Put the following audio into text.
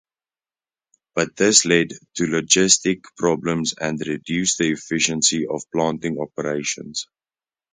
But this led to logistic problems and reduced the efficiency of planting operations.